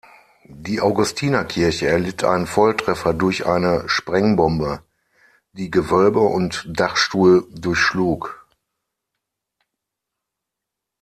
Die Augustinerkirche erlitt einen Volltreffer durch eine Sprengbombe, die Gewölbe und Dachstuhl durchschlug.